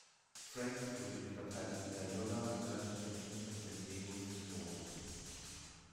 Franks wurde im Stadtteil La Jolla, nördlich der Innenstadt San Diegos geboren.